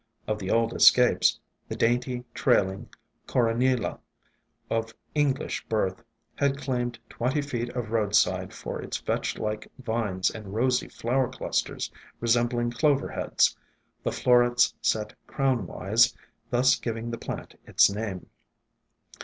Of the old escapes, the dainty, trailing Coronilla, of Eng lish birth, had claimed twenty feet of roadside for its vetch like vines and rosy flower clusters resem bling clover heads, the florets set crown wise, thus giving the plant its name.